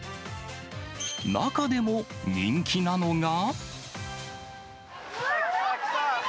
中でも人気なのが。